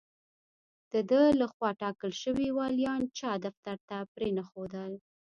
د ده له خوا ټاکل شوي والیان چا دفتر ته پرې نه ښودل.